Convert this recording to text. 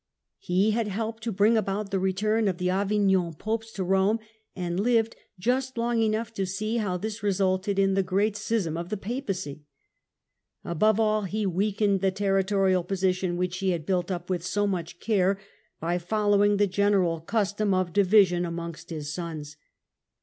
He had helped to bring about the return of the Avignon Popes to Koine, and lived just long enough to see how this resulted in the great schism of the Papacy, Above all he weakened the territorial position, which he had built up with so much care, by following the general custom of division amongst his sons.